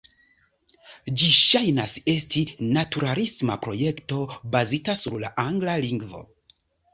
Ĝi ŝajnas esti naturalisma projekto bazita sur la angla lingvo.